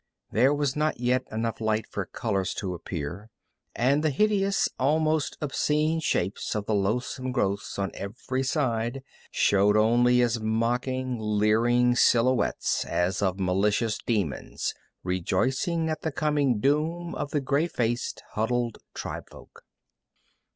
There was not yet enough light for colors to appear, and the hideous, almost obscene shapes of the loathsome growths on every side showed only as mocking, leering silhouettes as of malicious demons rejoicing at the coming doom of the gray faced, huddled tribefolk.